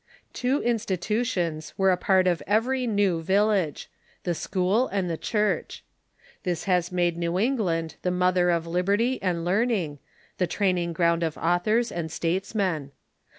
Two institutions were a part of ev ery new village — the school and the church. This has made New England the mother of liberty and learning, the train ing ground of authors and statesmen.